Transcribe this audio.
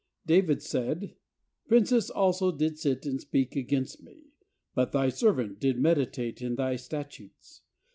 David said, "Princes also did sit and speak against me; but Thy servant did meditate in Thy statutes.